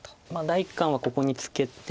第一感はここにツケて。